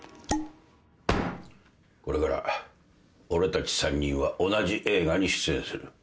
これから俺たち３人は同じ映画に出演する。